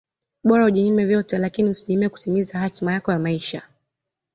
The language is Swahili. Bora ujinyime vyote lakini usijinyime kutimiza hatima yako ya maisha